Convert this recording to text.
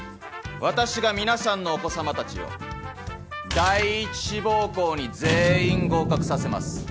私が皆さんのお子様たちを第一志望校に全員合格させます。